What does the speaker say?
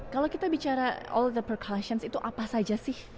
kalau kita bicara all the perculations itu apa saja sih